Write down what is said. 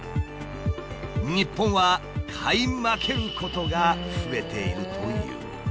日本は買い負けることが増えているという。